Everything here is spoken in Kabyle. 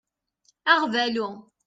Aɣbalu.